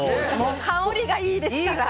香りがいいですから。